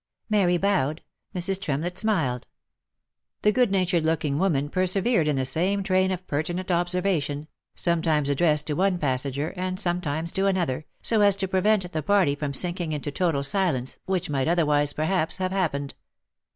Mary bowed— Mrs. Tremlett smiled. The goodnatured looking woman persevered in the same train of pertinent observation, sometimes addressed to one passenger, and sometimes to another, so as to prevent the party from sinking into total silence, which might otherwise, perhaps, have happened.